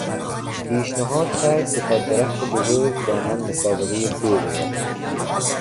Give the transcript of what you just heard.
پیشنهاد کرد که تا درخت بزرگ با من مسابقهی دو بدهد.